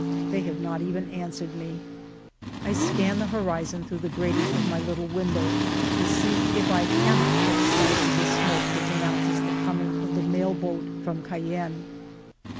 They have not even answered me. I scan the horizon through the grating of my little window, to see if I cannot catch sight of the smoke which announces the coming of the mail boat from Cayenne.